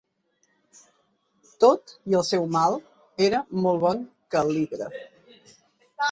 Tot i el seu mal, era molt bon cal·lígraf.